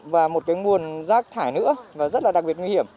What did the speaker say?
và một nguồn rác thải nữa rất đặc biệt nguy hiểm